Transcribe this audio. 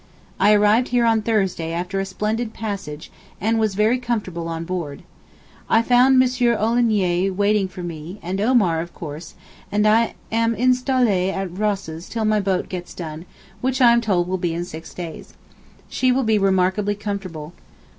I arrived here on Thursday after a splendid passage and was very comfortable on board. I found M. Olagnier waiting for me, and Omar, of course, and am installé at Ross's till my boat gets done which I am told will be in six days. She will be remarkably comfortable.